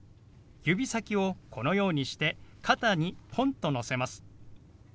指先をこのようにして肩にポンとのせます。